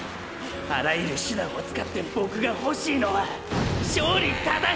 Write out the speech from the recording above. あらゆる手段を使ってボクが欲しいのは勝利ただ